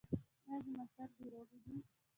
ایا زما سترګې روغې دي؟